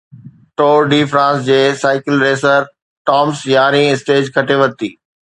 ٽور de France جي cycle racer Thomas يارهين stage کٽي ورتي